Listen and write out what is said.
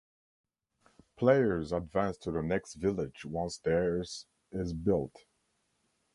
Players advance to the next village once theirs is built.